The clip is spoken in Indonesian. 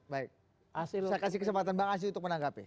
saya kasih kesempatan bang asyid untuk menangkapi